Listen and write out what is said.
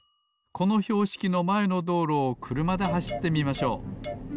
このひょうしきのまえのどうろをくるまではしってみましょう。